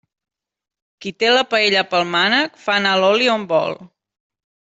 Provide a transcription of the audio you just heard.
Qui té la paella pel mànec, fa anar l'oli on vol.